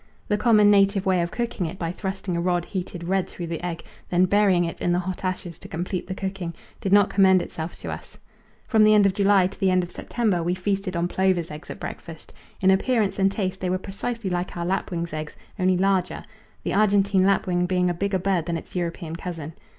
The common native way of cooking it by thrusting a rod heated red through the egg, then burying it in the hot ashes to complete the cooking, did not commend itself to us. From the end of July to the end of September we feasted on plovers' eggs at breakfast. In appearance and taste they were precisely like our lapwings' eggs, only larger, the Argentine lapwing being a bigger bird than its European cousin.